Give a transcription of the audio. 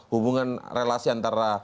hubungan relasi antara